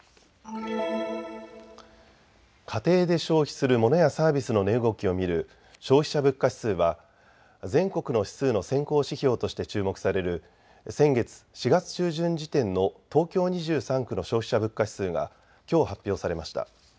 家庭で消費するモノやサービスの値動きを見る消費者物価指数は全国の指数の先行指標として注目される先月４月中旬時点の東京２３区の消費者物価指数がきょう発表されました。